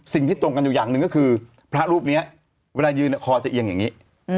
ตรงกันอยู่อย่างหนึ่งก็คือพระรูปนี้เวลายืนคอจะเอียงอย่างนี้